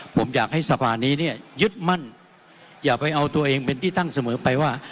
ผมอยากให้สภานี้เนี่ยยึดมั่นอย่าไปเอาตัวเองเป็นที่ตั้งเสมอไปว่า